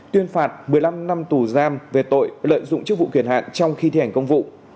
tuyên phạt một mươi năm năm tù giam về tội lợi dụng chức vụ kiền hạn trong khi thi hành công vụ